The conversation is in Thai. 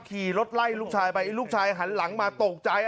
ขี่รถไล่ลูกชายไปลูกชายหันหลังมาตกใจ